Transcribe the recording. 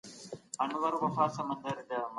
هیڅوک حق نه لري چي د بل چا په ملکیت تېری وکړي.